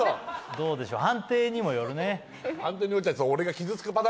どうでしょう判定にもよるね。